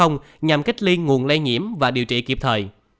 nhằm kết liên nguồn lây nhiễm và điều trị kịp thời